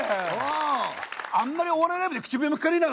あんまりお笑いライブで口笛も聞かねえな。